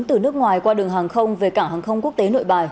từ nước ngoài qua đường hàng không về cảng hàng không quốc tế nội bài